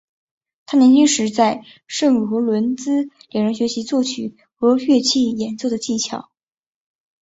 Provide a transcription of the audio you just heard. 他年轻时在圣罗伦兹两人学习作曲和乐器演奏的技巧。